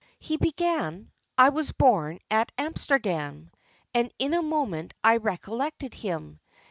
"] "He began, 'I was born at Amsterdam'—and in a moment I recollected him.